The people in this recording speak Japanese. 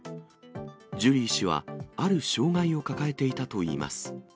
ジュリー氏は、ある障がいを抱えていたといいます。